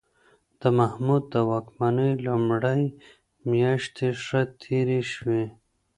د محمود د واکمنۍ لومړۍ میاشتې ښه تېرې شوې.